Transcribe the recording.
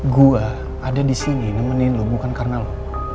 gue ada disini nemenin lo bukan karena lo